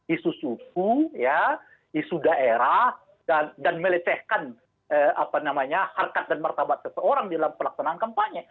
isu suku isu daerah dan melecehkan harkat dan martabat seseorang dalam pelaksanaan kampanye